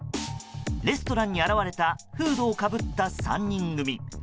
レストランに現れたフードをかぶった３人組。